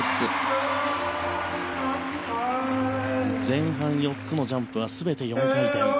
前半４つのジャンプは全て４回転。